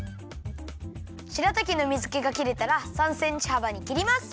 しらたきの水けがきれたら３センチはばにきります。